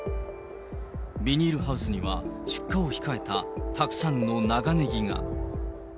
ビニールハウスには出荷を控えたたくさんの長ネギが。